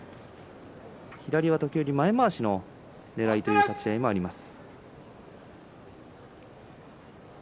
左は時折前まわしのねらいという立ち合いもあります。